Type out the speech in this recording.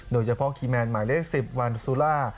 โดยเฉพาะคีมแมนหมายเลข๑๐วาลสุรา